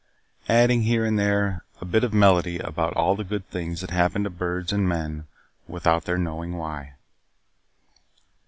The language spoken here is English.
Adding, here and there, a bit of melody about all the good things that happen to birds and men without their knowing why.